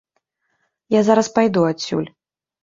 Я зараз пайду адсюль.